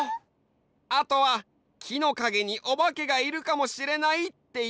あとはきのかげにおばけがいるかもしれないっていってたね。